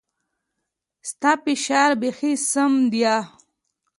ستا فشار بيخي سم ديه.